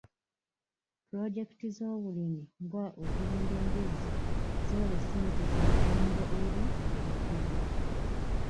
Pulojekiti z'obulimi nga okulunda embizzi zoolese nti za muganyulo eri ebitundu.